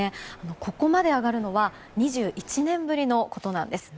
ここまで上がるのは２１年ぶりのことなんです。